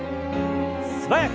素早く。